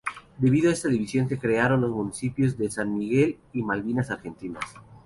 Debido a esta división se crearon los municipios de San Miguel y Malvinas Argentinas.